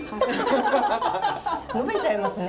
呑めちゃいますね。